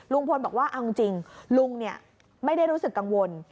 ลุงพลบอกว่าเอาจริงลุงไม่ได้รู้สึกกังวล